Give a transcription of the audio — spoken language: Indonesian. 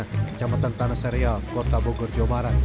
kecamatan tanah serial kota bogor jawa barat